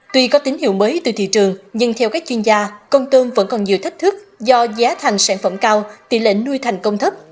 tuy có tín hiệu mới từ thị trường nhưng theo các chuyên gia tôm vẫn còn nhiều thách thức do giá thành sản phẩm cao tỷ lệ nuôi thành công thấp